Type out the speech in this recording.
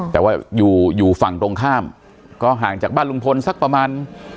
แต่ว่าอยู่อยู่ฝั่งตรงข้ามก็ห่างจากบ้านลุงพลสักประมาณ